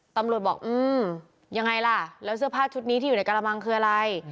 ตำรวจบอกอืมยังไงล่ะแล้วเสื้อผ้าชุดนี้ที่อยู่ในกระมังคืออะไร